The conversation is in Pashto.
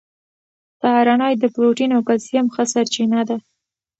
سهارنۍ د پروټین او کلسیم ښه سرچینه ده.